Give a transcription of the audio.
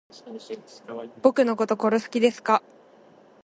僕のこと殺す気ですか